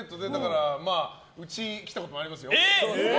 うち来たことありますよ。